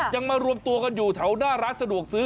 มารวมตัวกันอยู่แถวหน้าร้านสะดวกซื้อ